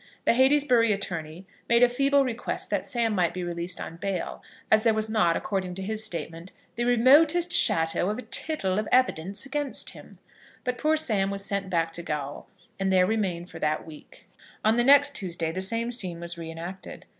The Heytesbury attorney made a feeble request that Sam might be released on bail, as there was not, according to his statement, "the remotest shadow of a tittle of evidence against him." But poor Sam was sent back to gaol, and there remained for that week. On the next Tuesday the same scene was re enacted.